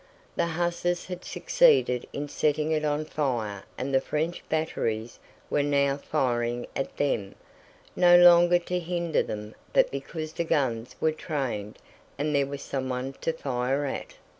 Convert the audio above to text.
The hussars had succeeded in setting it on fire and the French batteries were now firing at them, no longer to hinder them but because the guns were trained and there was someone to fire at.